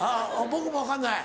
誰も分からない。